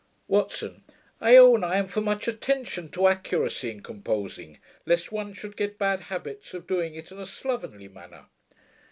WATSON. 'I own I am for much attention to accuracy in composing, lest one should get bad habits of doing it in a slovenly manner.'